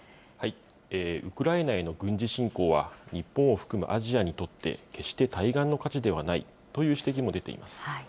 ウクライナへの軍事侵攻は、日本を含むアジアにとって決して対岸の火事ではないという指摘も出ています。